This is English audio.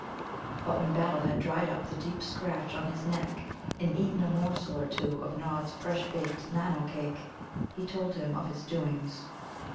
But when Battle had dried up the deep scratch on his neck, and eaten a morsel or two of Nod's fresh baked Nano cake, he told him of his doings.